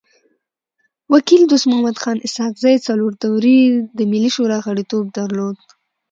وکيل دوست محمد خان اسحق زی څلور دوري د ملي شورا غړیتوب درلود.